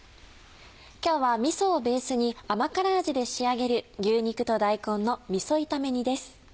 今日はみそをベースに甘辛味で仕上げる「牛肉と大根のみそ炒め煮」です。